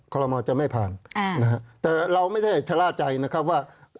คอนละมองจะไม่ผ่านแต่เราไม่ได้ชะล่าใจนะครับว่า